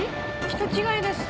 人違いです。